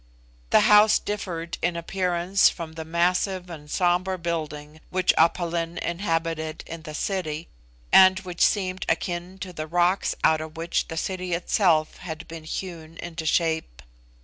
The house differed in appearance from the massive and sombre building which Aph Lin inhabited in the city, and which seemed akin to the rocks out of which the city itself had been hewn into shape.